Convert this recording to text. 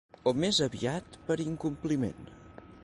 O més aviat per incompliment.